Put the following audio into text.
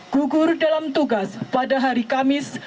gugur dalam tugas pada hari kamis